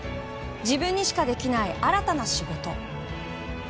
自分にしかできない新たな仕事。